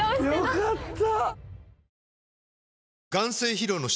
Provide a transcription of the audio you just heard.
良かった。